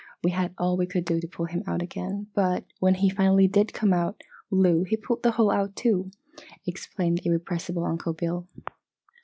We had all we could do to pull him out again, but when he finally did come out, Lo! he pulled the hole out too!" explained the irrepressible Uncle Bill.